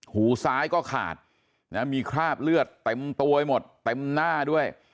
หูซ้ายก็ขาดนะมีคราบเลือดเต็มตัวไปหมดเต็มหน้าด้วย